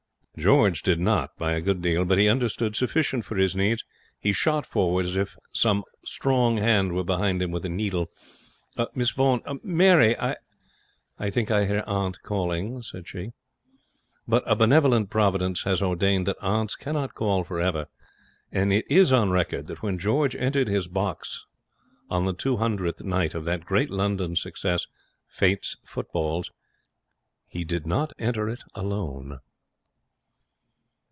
George did not, by a good deal; but he understood sufficient for his needs. He shot forward as if some strong hand were behind him with a needle. 'Miss Vaughan Mary I ' 'I think I hear aunt calling,' said she. But a benevolent Providence has ordained that aunts cannot call for ever; and it is on record that when George entered his box on the two hundredth night of that great London success, Fate's Footballs, he did not enter it alone.